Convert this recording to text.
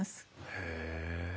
へえ。